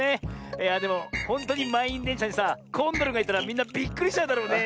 いやでもほんとうにまんいんでんしゃにさコンドルがいたらみんなびっくりしちゃうだろうね。